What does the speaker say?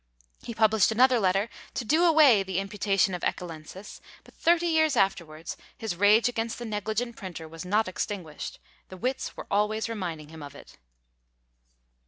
He published another letter to do away the imputation of Ecchellensis; but thirty years afterwards his rage against the negligent printer was not extinguished; the wits were always reminding him of it.